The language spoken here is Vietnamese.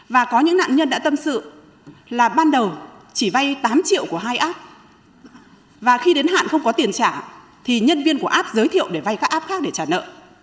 và có những nạn nhân đã tâm sự là ban đầu chỉ vay tám triệu của hai app và khi đến hạn không có tiền trả thì nhân viên của app giới thiệu để vay các app khác để trả nợ